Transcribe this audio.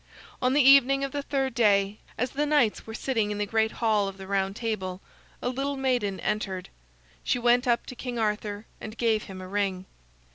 On the evening of the third day, as the knights were sitting in the great hall of the Round Table, a little maiden entered. She went up to King Arthur and gave him a ring.